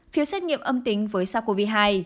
phiếu xét nghiệm âm tính với sars cov hai